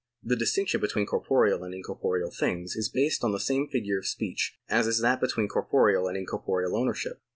The distinction between corporeal and incorporeal things is based on the same figure of speech as is that between corporeal and incorporeal ownership.